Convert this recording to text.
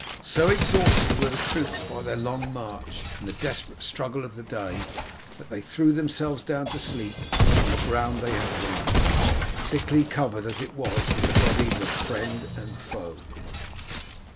So exhausted were the troops by their long march and the desperate struggle of the day that they threw themselves down to sleep on the ground they had won, thickly covered as it was with the bodies of friend and foe.